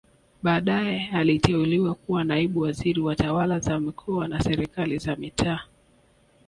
Baadae aliteuliwa kuwa naibu waziri wa tawala za mikoa na serikali za mitaa